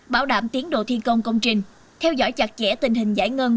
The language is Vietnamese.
bảo đảm tiến độ thi công công trình theo dõi chặt chẽ tình hình giải ngân